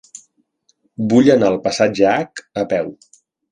Vull anar al passatge Hac a peu.